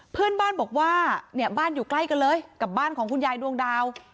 เพื่อนบ้านบอกว่าเนี่ยบ้านอยู่ใกล้กันเลยกับบ้านของคุณยายดวงดาว